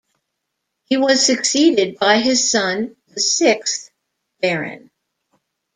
He was succeeded by his son, the sixth Baron.